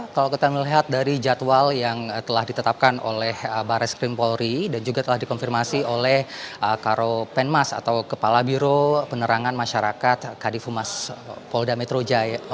kalau kita melihat dari jadwal yang telah ditetapkan oleh baris krim polri dan juga telah dikonfirmasi oleh karo penmas atau kepala biro penerangan masyarakat kadifumas polda metro jaya